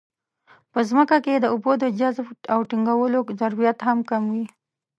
په ځمکه کې د اوبو د جذب او ټینګولو ظرفیت هم کم وي.